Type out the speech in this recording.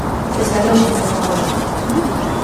¡Desaloxen, por favor!